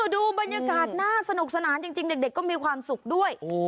ดูบรรยากาศน่าสนุกสนานจริงเด็กก็มีความสุขด้วย